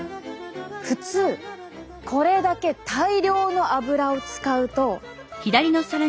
普通これだけ大量の油を使うと。